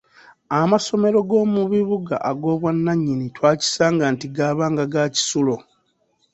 Amasomero g’omu bibuga ag’obwannannyini twakisanga nti gaabanga ga kisulo.